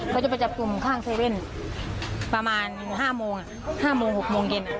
เขาจะไปจับกลุ่มข้างเซเว่นประมาณห้าโมงอ่ะห้าโมงหกโมงเย็นอ่ะ